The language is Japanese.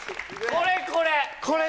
これこれ！